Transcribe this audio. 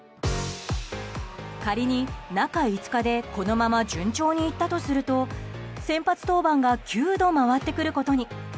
仮に、中５日でこのまま順調にいったとすると先発登板が９度回ってくることに。